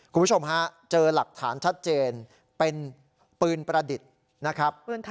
คุณผู้ชมเจอหลักฐานชัดเจนเป็นปืนประดิษฐ์